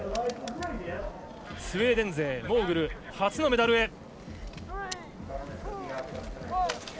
スウェーデン勢、モーグル初のメダルへ。